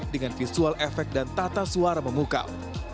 dengan visual efek dan tata suara memukau